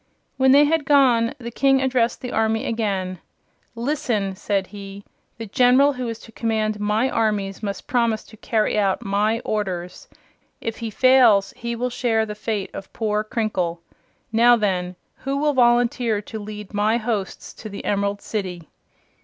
When they had gone, the King addressed the army again. "Listen!" said he. "The General who is to command my armies must promise to carry out my orders. If he fails he will share the fate of poor Crinkle. Now, then, who will volunteer to lead my hosts to the Emerald City?"